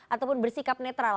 ataupun bersikap netral